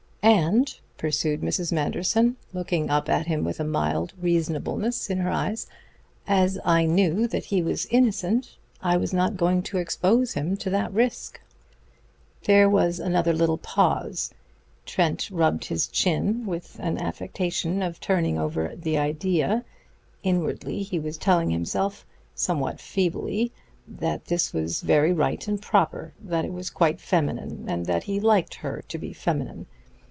"And," pursued Mrs. Manderson, looking up at him with a mild reasonableness in her eyes, "as I knew that he was innocent I was not going to expose him to that risk." There was another little pause. Trent rubbed his chin, with an affectation of turning over the idea. Inwardly he was telling himself, somewhat feebly, that this was very right and proper; that it was quite feminine, and that he liked her to be feminine.